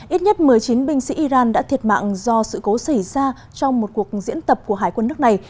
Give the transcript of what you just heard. ít nhất một mươi chín binh sĩ iran đã thiệt mạng do sự cố xảy ra trong một cuộc diễn tập của hải quân nước này